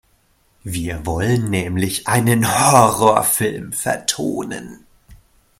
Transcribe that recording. Wir wollen nämlich einen Horrorfilm vertonen.